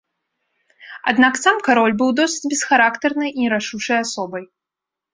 Аднак сам кароль быў досыць бесхарактарнай і нерашучай асобай.